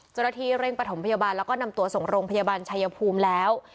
เจ้าหน้าที่เร่งประถมพยาบาลแล้วก็นำตัวส่งโรงพยาบาลชายภูมิแล้ว